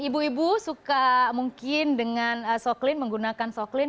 ibu ibu suka mungkin dengan soclean menggunakan soclean